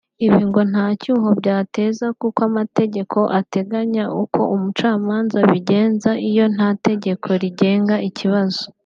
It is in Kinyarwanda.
Ibi ngo nta cyuho byateza kuko amategeko ateganya uko umucamanza abigenza iyo nta tegeko rigenga ikibazo